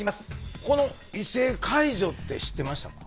この異性介助って知ってましたか？